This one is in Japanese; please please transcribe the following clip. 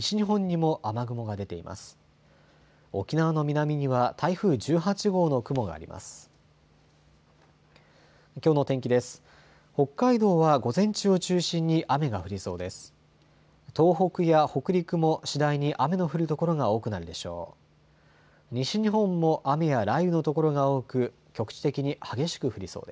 東北や北陸も次第に雨の降る所が多くなるでしょう。